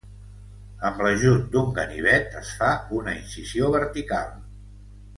Amb l'ajut d'un ganivet es fa una incisió vertical